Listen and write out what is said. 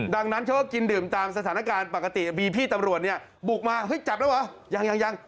ดังนั้นเขาก็กินดื่มตามสถานการณ์ปกติพี่ตำรวจบุกมาจับแล้วเหรอยัง